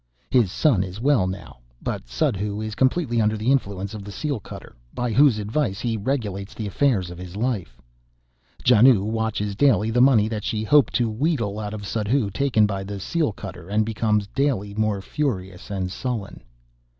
His son is well now; but Suddhoo is completely under the influence of the seal cutter, by whose advice he regulates the affairs of his life. Janoo watches daily the money that she hoped to wheedle out of Suddhoo taken by the seal cutter, and becomes daily more furious and sullen.